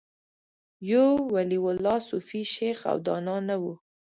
یو ولي الله، صوفي، شیخ او دانا نه و